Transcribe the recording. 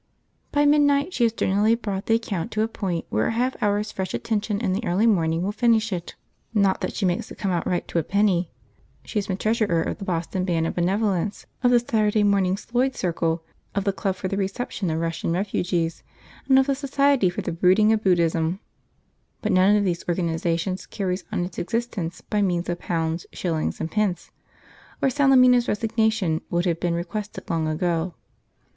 By midnight she has generally brought the account to a point where a half hour's fresh attention in the early morning will finish it. Not that she makes it come out right to a penny. She has been treasurer of the Boston Band of Benevolence, of the Saturday Morning Sloyd Circle, of the Club for the Reception of Russian Refugees, and of the Society for the Brooding of Buddhism; but none of these organisations carries on its existence by means of pounds, shillings, and pence, or Salemina's resignation would have been requested long ago.